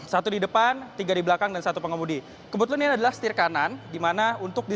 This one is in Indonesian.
satu di depan tiga di belakang dan satu pengemudi kebetulan ini adalah setir kanan dimana untuk di